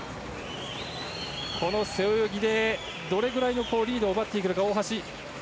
この背泳ぎでどれくらいのリードを奪っていけるか大橋。